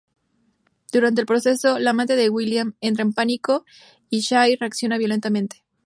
Durante el proceso, la amante de William entra en pánico y Sy reacciona violentamente.